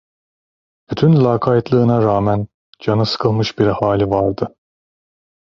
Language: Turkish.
Bütün lakaytlığına rağmen canı sıkılmış bir hali vardı.